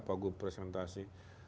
pak gu presentasi